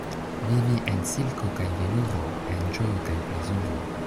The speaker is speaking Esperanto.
Vivi en silko kaj veluro, en ĝojo kaj plezuro.